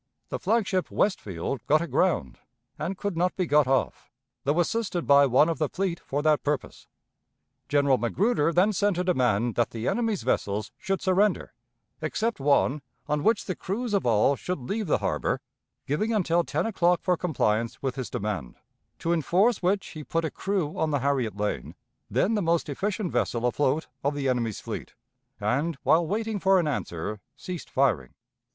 The flag ship Westfield got aground and could not be got off, though assisted by one of the fleet for that purpose. General Magruder then sent a demand that the enemy's vessels should surrender, except one, on which the crews of all should leave the harbor, giving until ten o'clock for compliance with his demand, to enforce which he put a crew on the Harriet Lane, then the most efficient vessel afloat of the enemy's fleet, and, while waiting for an answer, ceased firing.